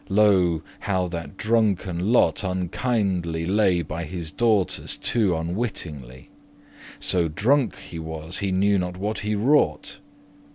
<9> Lo, how that drunken Lot unkindely* *unnaturally Lay by his daughters two unwittingly, So drunk he was he knew not what he wrought.